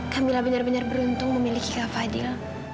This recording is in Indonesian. kak mila benar benar beruntung memiliki kak fadil